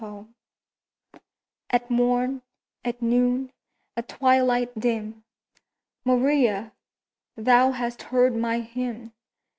HYMN At morn—at noon—at twilight dim— Maria! thou hast heard my hymn!